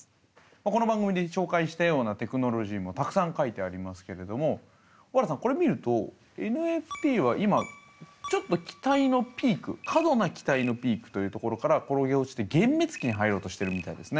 この番組で紹介したようなテクノロジーもたくさん書いてありますけれども尾原さんこれ見るとＮＦＴは今ちょっと期待のピーク「過度な期待」のピークというところから転げ落ちて幻滅期に入ろうとしているみたいですね。